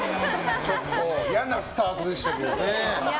ちょっと嫌なスタートでしたけどね。